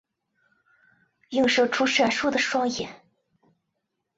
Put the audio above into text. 映射出闪烁的双眼